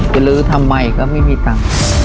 ลื้อทำไมก็ไม่มีตังค์